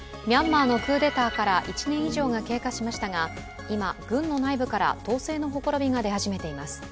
ミャンマーのクーデターから１年以上が経過しましたが今、軍の内部から統制のほころびが出始めています。